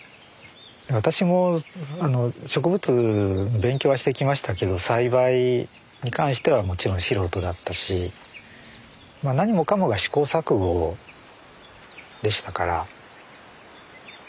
私も植物の勉強はしてきましたけど栽培に関してはもちろん素人だったし何もかもが試行錯誤でしたから。